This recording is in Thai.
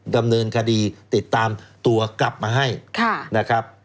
ดำเนินคดีติดตามตัวกลับมาให้นะครับ